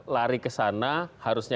lari ke sana harusnya